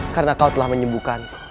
karena kau telah menyembuhkan